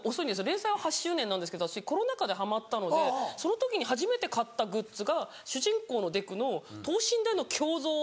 連載は８周年なんですけど私コロナ禍でハマったのでその時に初めて買ったグッズが主人公のデクの等身大の胸像。